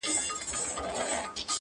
ستا به جوهر د سخن دا وي چې ساده کړه ژبه